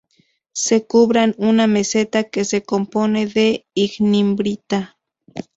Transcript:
Se cubran una meseta que se compone de ignimbrita.